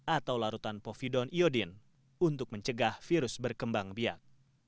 atau larutan povidon iodine untuk mencegah virus berkembang biak